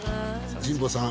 神保さん